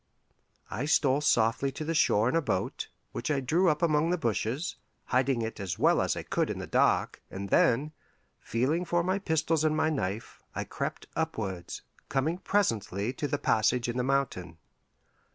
I stole softly to the shore in a boat, which I drew up among the bushes, hiding it as well as I could in the dark, and then, feeling for my pistols and my knife, I crept upwards, coming presently to the passage in the mountain.